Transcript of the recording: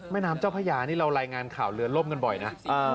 แม่น้ำเจ้าพญานี่เรารายงานข่าวเรือล่มกันบ่อยนะ